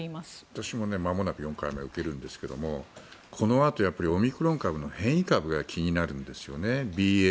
私もまもなく４回目を受けるんですけれどもこのあとオミクロン株の変異株が気になるんですよね。